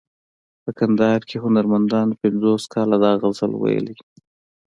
په کندهار کې هنرمندانو پنځوس کاله دا غزل ویلی.